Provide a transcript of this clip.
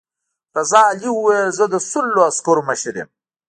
رضا علي وویل زه د سلو عسکرو مشر یم.